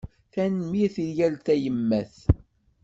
Tanemmirt i yal tayemmat.